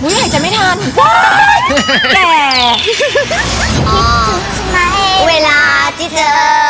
คิดถึงไหมเวลาที่เธอ